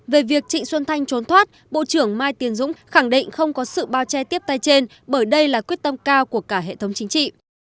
về việc trịnh xuân thanh trốn thoát bộ trưởng mai tiến dũng khẳng định không có sự bao che tiếp tay trên bởi đây là quyết tâm cao của cả hệ thống chính trị